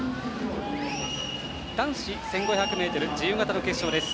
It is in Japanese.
男子１５００ｍ自由形の決勝です。